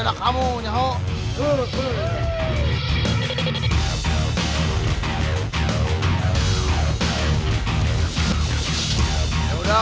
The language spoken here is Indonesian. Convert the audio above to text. gak ada nih kesel banget nih